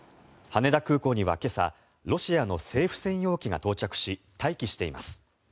羽田空港には今朝ロシアの政府専用機が到着し待機しています。